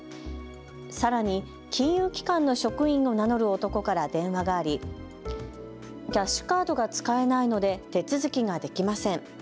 さらに金融機関の職員を名乗る男から電話がありキャッシュカードが使えないので手続きができません。